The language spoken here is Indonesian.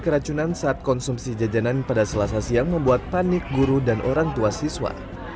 keracunan saat konsumsi jajanan pada selasa siang membuat panik guru dan orang tua siswa